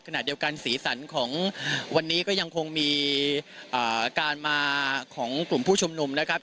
ขณะเดียวกันสีสันของวันนี้ก็ยังคงมีการมาของกลุ่มผู้ชุมนุมนะครับ